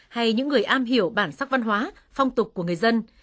hay những người am hiểu bản sắc văn hóa phong tục của người dân